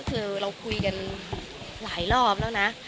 คือเราคุยกันหลายรอบแล้วนะ